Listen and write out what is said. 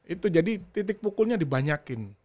itu jadi titik pukulnya dibanyakin